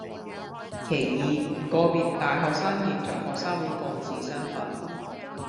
其二，個別大學生挾着學生會幹事身分